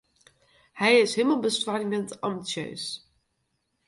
Hy is himelbestoarmjend ambisjeus.